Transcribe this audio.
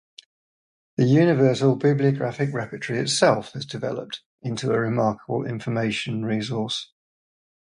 The Universal Bibliographic Repertory itself has developed into a remarkable information resource.